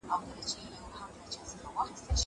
که وخت وي، موبایل کاروم!